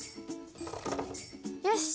よし！